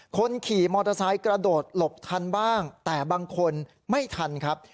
คนขี่มอเตอร์ไซค์กระโดดหลบทันบ้างแต่บางคนไม่ทันครับ